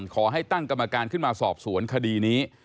ขอให้ตั้งกรรมการขึ้นมาสอบสวนคดีนี้